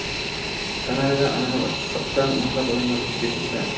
Kanadada anomal issiqdan o‘nlab odamlar vafot etmoqda